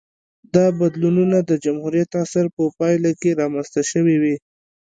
دا بدلونونه د جمهوریت عصر په پایله کې رامنځته شوې وې